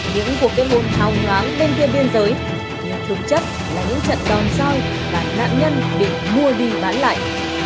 những cuộc kết hôn hào ngóng lên tiên biên giới nhưng thực chất là những trận đòn xoay và nạn nhân bị mua đi bán lại